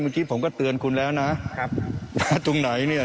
เมื่อกี้ผมก็เตือนคุณแล้วนะครับว่าตรงไหนเนี่ย